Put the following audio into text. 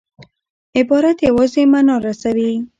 عبارت یوازي مانا رسوي.